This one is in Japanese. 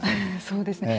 そうですね。